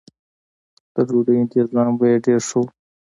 د ډوډۍ انتظام به یې ډېر ښه و.